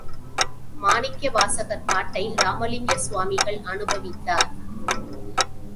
மாணிக்கவாசகர் பாட்டை இராமலிங்க சுவாமிகள் அநுபவித்தார்.